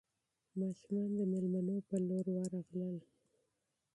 ماشومان د مېلمنو په لور ورغلل.